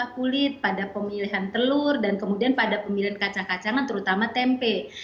dan kemudian pemilihan ikan pada pemilihan ayam tanpa kulit pada pemilihan telur dan kemudian pada pemilihan kacang kacangan terutama tempe